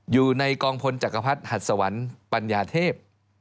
อยู่ในกองพลจักรพรรดิหัดสวรรค์ปัญญาเทพ